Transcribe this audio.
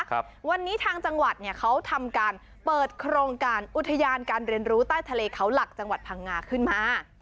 ครับวันนี้ทางจังหวัดเนี่ยเขาทำการเปิดโครงการอุทยานการเรียนรู้ใต้ทะเลเขาหลักจังหวัดพังงาขึ้นมา